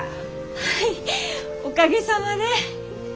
はいおかげさまで。